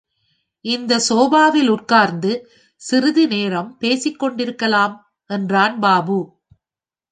இந்த சோபாவில் உட்கார்ந்து சிறிது நேரம் பேசிக் கொண்டிருக்கலாம், என்றான் பாபு.